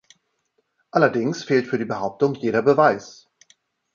Allerdings fehlt für die Behauptung jeder Beweis.